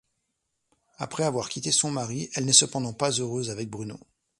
Après avoir quitté son mari, elle n'est cependant pas heureuse avec Bruno.